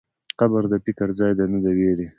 قبر د فکر ځای دی، نه د وېرې.